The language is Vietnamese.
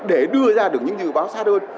để đưa ra được những dự báo sát hơn